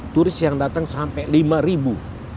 turis yang datang sampai lima ribu